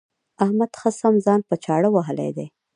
احمد ښه سم ځان په چاړه وهلی دی.